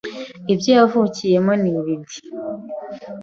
ibyo yavukiyemo n'ibidi